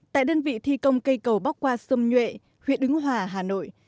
tại đơn vị thi công cây cầu bắc qua sông nhuệ huyện ứng hòa hà nội